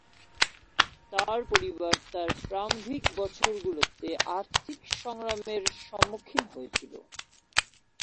তার পরিবার তার প্রারম্ভিক বছরগুলোতে আর্থিক সংগ্রামের সম্মুখীন হয়েছিল।